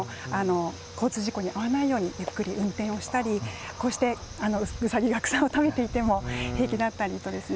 交通事故に遭わないようにゆっくり運転したりこうしてウサギが草を食べていても平気だったりと。